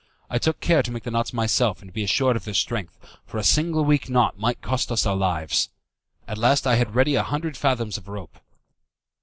I took care to make the knots myself and to be assured of their strength, for a single weak knot might cost us our lives. At last I had ready a hundred fathoms of rope.